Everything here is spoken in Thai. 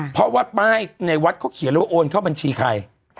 เพราะว่าป้ายในวัดเขาเขียนเลยว่าโอนเข้าบัญชีใคร